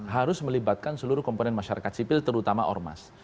harus melibatkan seluruh komponen masyarakat sipil terutama ormas